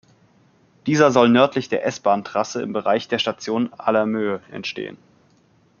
Dieser soll nördlich der S-Bahntrasse im Bereich der Station Allermöhe entstehen.